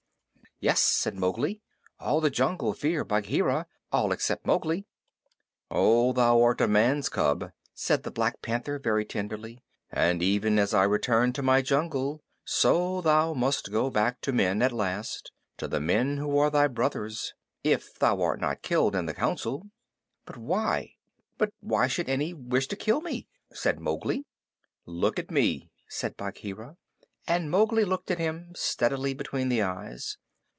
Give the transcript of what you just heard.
"Yes," said Mowgli, "all the jungle fear Bagheera all except Mowgli." "Oh, thou art a man's cub," said the Black Panther very tenderly. "And even as I returned to my jungle, so thou must go back to men at last to the men who are thy brothers if thou art not killed in the Council." "But why but why should any wish to kill me?" said Mowgli. "Look at me," said Bagheera. And Mowgli looked at him steadily between the eyes.